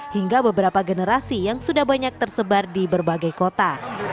hingga beberapa generasi yang sudah banyak tersebar di berbagai kota